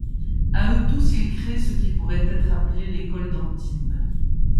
À eux tous, ils créent ce qui pourrait être appelé l’École d’Antibes.